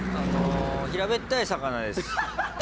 平べったい魚です。